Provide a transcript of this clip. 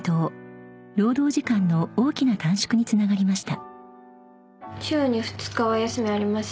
［労働時間の大きな短縮につながりました］